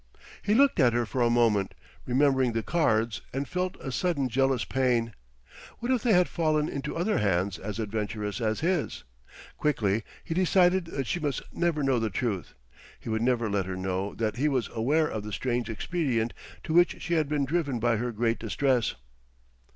He looked at her for a moment, remembering the cards, and felt a sudden jealous pain. What if they had fallen into other hands as adventurous as his? Quickly he decided that she must never know the truth. He would never let her know that he was aware of the strange expedient to which she had been driven by her great distress.